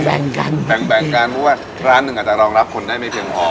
แบ่งกันเพราะว่าร้านนึงอาจจะรองรับคนได้ไม่พี่พ่อ